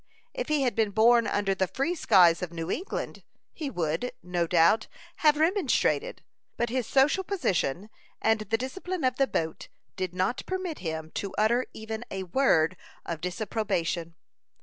If he had been born under the free skies of New England, he would, no doubt, have remonstrated; but his social position and the discipline of the boat did not permit him to utter even a word of disapprobation.